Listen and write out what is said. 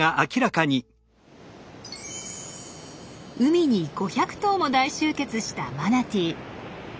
海に５００頭も大集結したマナティー。